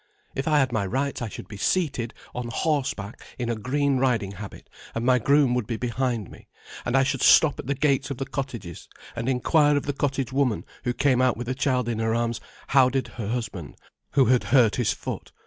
If I had my rights I should be seated on horseback in a green riding habit, and my groom would be behind me. And I should stop at the gates of the cottages, and enquire of the cottage woman who came out with a child in her arms, how did her husband, who had hurt his foot.